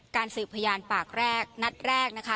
สืบพยานปากแรกนัดแรกนะคะ